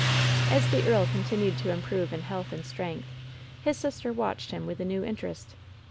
As the earl continued to improve in health anc strength, his sister watched him with a new interest.